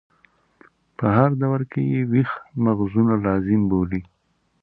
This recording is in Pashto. په هر دور کې یې ویښ مغزونه لازم بولي.